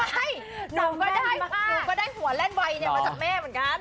ฮ่าไม่หนูก็ได้หนูก็ได้หัวเล่นไวนี่มาจากแม่เหมือนกัน